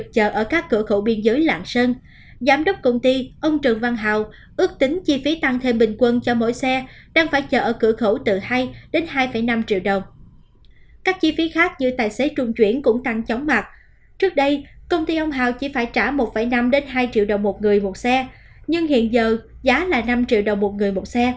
công ty ông hào chỉ phải trả một năm hai triệu đồng một người một xe nhưng hiện giờ giá là năm triệu đồng một người một xe